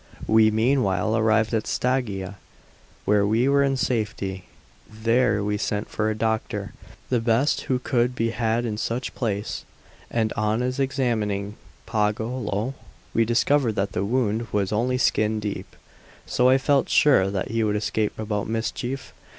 We meanwhile arrived at Staggia, where we were in safety. There we sent for a doctor, the best who could be had in such a place; and on his examining Pagolo, we discovered that the wound was only skin deep; so I felt sure that he would escape without mischief.